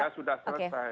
ketika sudah selesai